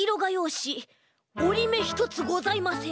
しおりめひとつございません。